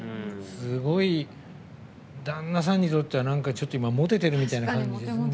すごい、旦那さんにとってはちょっと今モテてるみたいな感じですね。